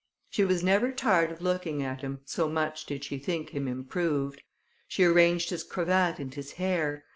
She was never tired of looking at him, so much did she think him improved. She arranged his cravat and his hair.